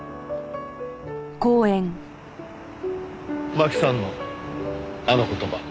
真紀さんのあの言葉。